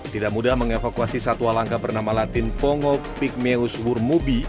tidak mudah mengevakuasi satwa langka bernama latin pongo pigmeus hurmubi